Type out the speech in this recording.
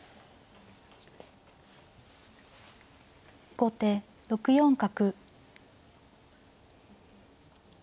後手６四角。